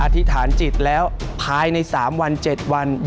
ธิษฐานจิตแล้วภายใน๓วัน๗วัน